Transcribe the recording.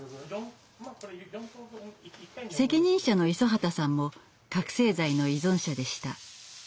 責任者の五十畑さんも覚せい剤の依存者でした。